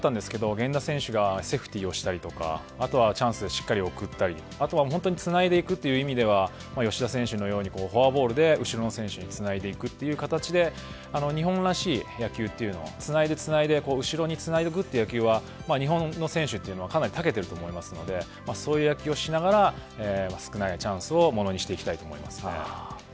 源田選手がセーフティーをしたりとかあとは、チャンスでしっかり送ったりとか本当につないでていくという意味では吉田選手のようにフォアボールで後ろの選手につないでいくという形で日本らしい野球つないでつないで後ろにつなぐという野球は日本の選手は長けていると思いますのでそういう野球をしながら少ないチャンスをものにしていきたいと思いますね。